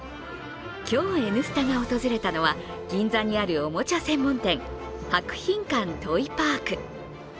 今日「Ｎスタ」が訪れたのは銀座にあるおもちゃ専門店、博品館トイパーク。